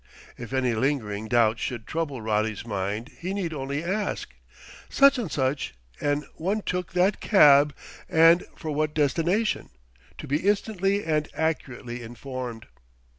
If any lingering doubt should trouble Roddy's mind he need only ask, "Such and such an one took what cab and for what destination?" to be instantly and accurately informed.